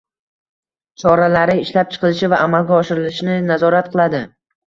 choralari ishlab chiqilishi va amalga oshirilishini nazorat qiladi;